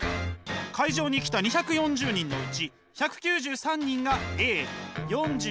会場に来た２４０人のうち１９３人がＡ４７人はＢ。